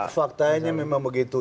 faktanya memang begitu